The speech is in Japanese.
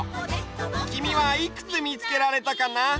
きみはいくつみつけられたかな？